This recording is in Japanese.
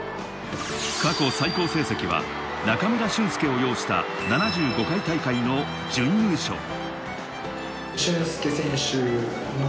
過去最高成績は、中村俊輔を擁した７５回大会の準優勝。